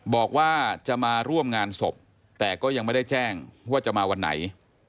บอกว่าจะมาร่วมงานศพแต่ก็ยังไม่ได้แจ้งว่าจะมาวันไหน